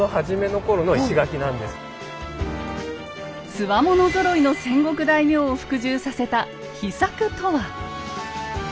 つわものぞろいの戦国大名を服従させた秘策とは？